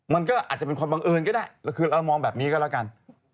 มันก็อาจจะเป็นความบังเอิญก็ได้คือเรามองแบบนี้ก็แล้วกัน